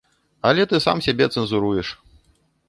Але ты сам сябе цэнзуруеш.